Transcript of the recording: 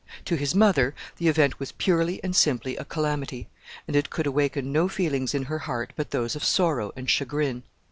To his mother, the event was purely and simply a calamity, and it could awaken no feelings in her heart but those of sorrow and chagrin.